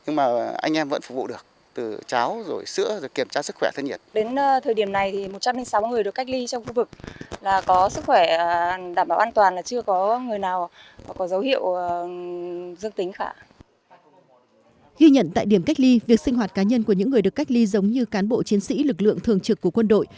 ghi nhận tại điểm cách ly việc sinh hoạt cá nhân của những người được cách ly giống như cán bộ chiến sĩ lực lượng thường trực của quân đội